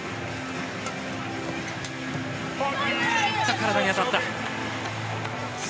体に当たった。